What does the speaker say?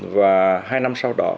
và hai năm sau đó